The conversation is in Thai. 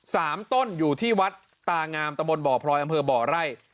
สามต้นอยู่ที่วัดตางามตะบนบ่อพลอยอำเภอบ่อไร่